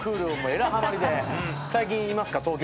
最近いますか？